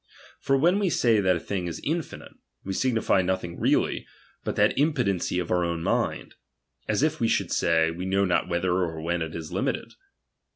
For when we say that a thing is infinite, we signify nothing really, but the impotency in our own mind ; as if we should say, we know not whether or where it heltgion. 215 is limited.